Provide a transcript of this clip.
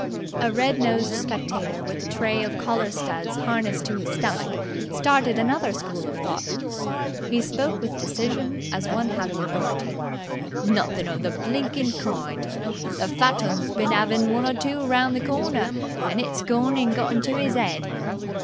A red nosed spectator with a tray of collar studs harnessed to his stomach started another school of thought. He spoke with decision as one having authority. "Nothin' of the blinkin' kind! The fat 'un's bin 'avin' one or two around the corner, and it's gorn and got into 'is 'ead!"